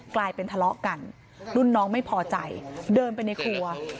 กลายเป็นทะเลาะกันรุ่นน้องไม่พอใจเดินไปในครัว